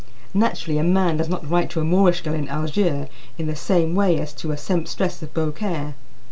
Naturally a man does not write to a Moorish girl in Algiers in the same way as to a seamstress of Beaucaire.